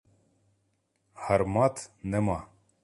Гармат нема.